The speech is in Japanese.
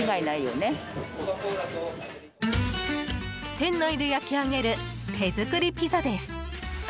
店内で焼き上げる手作りピザです。